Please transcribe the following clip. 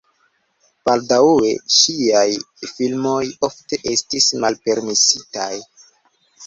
Baldaŭe ŝiaj filmoj ofte estis malpermesitaj.